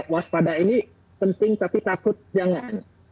waspada ini penting tapi takut jangan